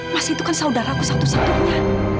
mas itu kan saudara aku satu satunya